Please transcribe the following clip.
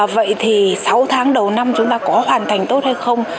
vậy thì sáu tháng đầu năm chúng ta có hoàn thành tốt hay không